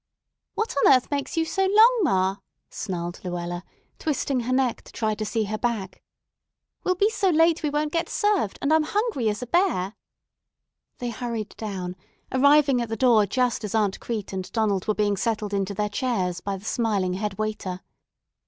"What on earth makes you so long, ma?" snarled Luella, twisting her neck to try to see her back. "We'll be so late we won't get served, and I'm hungry as a bear." They hurried down, arriving at the door just as Aunt Crete and Donald were being settled into their chairs by the smiling head waiter.